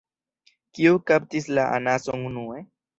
Kiu kaptis la anason unue?